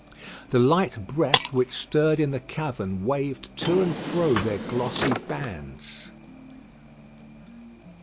The light breath which stirred in the cavern waved to and fro their glossy bands.